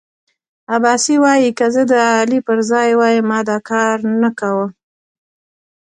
عباس وايی که زه د علي پر ځای وای ما دا کارنه کاوه.